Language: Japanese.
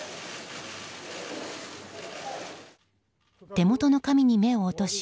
手元の紙に目を落とし